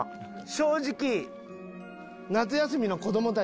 正直。